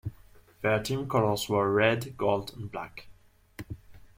Their team colors were red, gold and black.